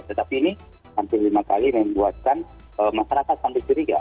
tetapi ini hampir lima kali membuatkan masyarakat sampai curiga